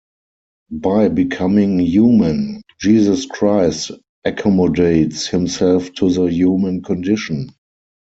By becoming human, Jesus Christ accommodates himself to the human condition.